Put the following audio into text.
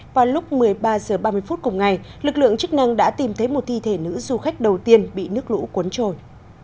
vào lúc một mươi ba h ba mươi phút cùng ngày lực lượng chức năng đã tìm thấy một thi thể nữ du khách đầu tiên bị nước lũ cuốn trôi